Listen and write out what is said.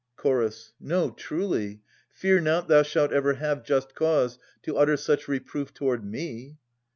Ch. No, truly! Fear not thou shalt ever have Just cause to utter such reproof toward me.